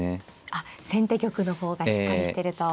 あっ先手玉の方がしっかりしてると。